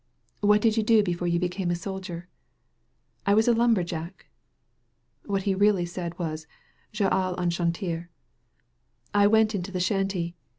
"What did you do before you became a sol dier?" "I was a lumberjack." (What he really said was, ^^TaUaU en chantiery" I went in the shanty."